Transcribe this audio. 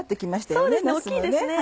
そうですね大きいですね。